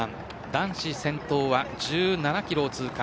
男子先頭は１７キロを通過。